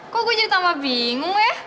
kok gue jadi tambah bingung ya